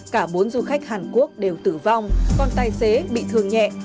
cả bốn du khách hàn quốc đều tử vong còn tài xế bị thương nhẹ